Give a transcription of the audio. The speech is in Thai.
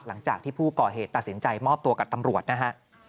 หลังจากที่ผู้ก่อเหตุตัดสินใจมอบตัวกับตำรวจนะฮะ